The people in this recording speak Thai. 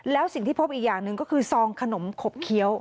แล้วสิ่งที่พบอีกอย่างหนึ่งก็คือซองขนมขบเคี้ยว